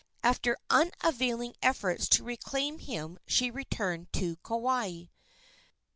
After unavailing efforts to reclaim him she returned to Kauai.